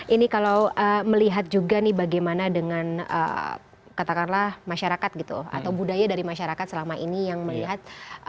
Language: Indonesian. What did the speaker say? ini kalau melihat juga nih bagaimana dengan katakanlah masyarakat gitu atau budaya dari masyarakat selama ini yang melihat